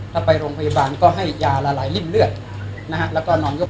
ถ้าไปโรงพยาบาลก็ให้ยาละลายริ่มเลือดนะฮะแล้วก็นอนยก